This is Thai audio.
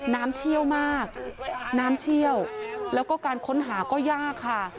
เชี่ยวมากน้ำเชี่ยวแล้วก็การค้นหาก็ยากค่ะ